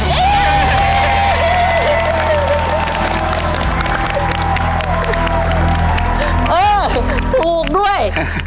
เออถูกด้วย